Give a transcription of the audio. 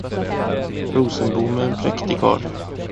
Rosenbom är en präktig karl.